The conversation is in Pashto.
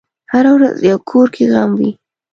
هره ورځ یو کور کې غم وي.